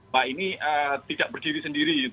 bahwa ini tidak berdiri sendiri